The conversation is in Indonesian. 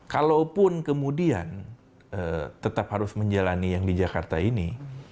kalaupun kemudian tetap harus menjalani yang di jakarta ini